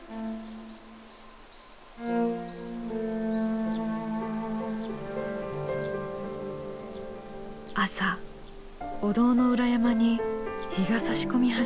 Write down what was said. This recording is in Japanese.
朝お堂の裏山に日がさし込み始めると。